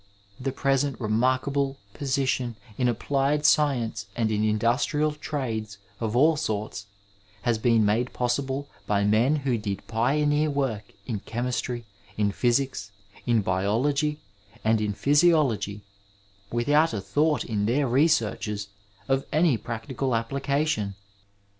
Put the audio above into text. The present remarkable position in appUed science and in industrial trades of all sorts has been made possible by men who did pioneer work in chemistry, in physics, in biology, and in physiology, without a thought in their researches of any practical application.